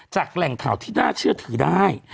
แหล่งข่าวที่น่าเชื่อถือได้